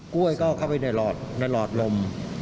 กล้วยก็เข้าไปในหลอดลม